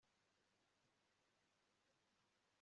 mukamwumvira ako kanya akivuga